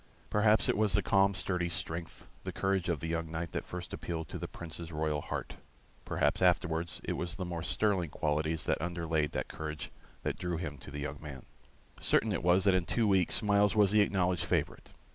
Perhaps it was the calm sturdy strength, the courage of the young knight, that first appealed to the Prince's royal heart; perhaps afterwards it was the more sterling qualities that underlaid that courage that drew him to the young man; certain it was that in two weeks Myles was the acknowledged favorite.